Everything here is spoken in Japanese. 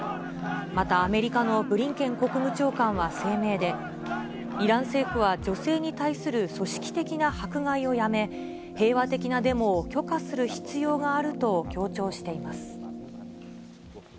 また、アメリカのブリンケン国務長官は声明で、イラン政府は女性に対する組織的な迫害をやめ、平和的なデモを許可する必要があると強調しています。